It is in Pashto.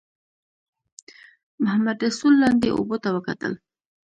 محمدرسول لاندې اوبو ته وکتل.